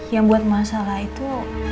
yang buat mas al itu